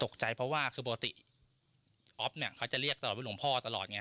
ตกใจเพราะว่าคือปกติฮอฟมันจะเรียกตลอดเว้ยหลวงพ่อตลอด